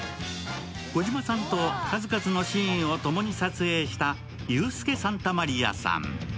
児嶋さんと数々のシーンを共に撮影したユースケ・サンタマリアさん。